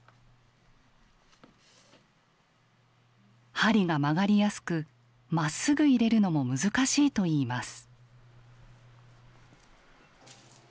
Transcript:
針が曲がりやすくまっすぐ入れるのも難しいといいます。